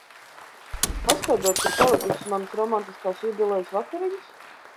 Paskaidrot, kur palikušas manas romantiskās jubilejas vakariņas?